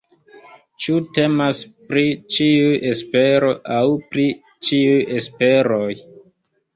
Ĉu temas pri ĉiu espero aŭ pri ĉiuj esperoj?